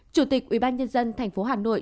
chủ tịch ubnd tp hà nội